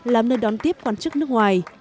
làm nơi đón tiếp quan chức nước ngoài